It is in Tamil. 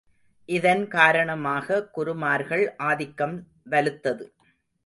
இதன் காரணமாக குருமார்கள் ஆதிக்கம் வலுத்தது.